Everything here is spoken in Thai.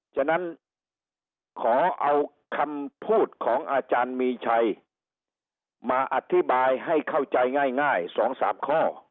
ฉะนั้นขอเอาคำพูดของอาจารย์มีชัยมาอธิบายให้เข้าใจง่าย๒๓ข้อ